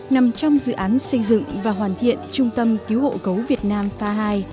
nằm trong dự án xây dựng và hoàn thiện trung tâm cứu hộ gấu việt nam pha hai